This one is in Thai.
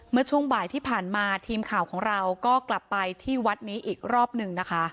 เมื่อช่วงบ่ายที่ผ่านมาทีมข่าวของเราก็กลับไปที่วัดนี้อีกรอบหนึ่งนะคะ